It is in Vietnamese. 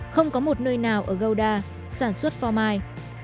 không có một nơi nào ở goda sản xuất phò mai